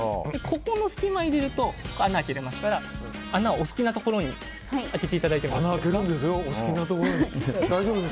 ここの隙間に入れると穴を開けられますから、穴をお好きなところに開けていただいて。